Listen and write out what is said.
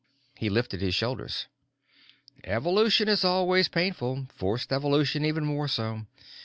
He lifted his shoulders. "Evolution is always painful, forced evolution even more so.